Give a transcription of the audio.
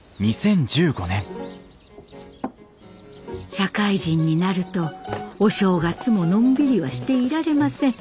社会人になるとお正月ものんびりはしていられません。